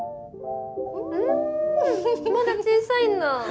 うんまだ小さいんだ。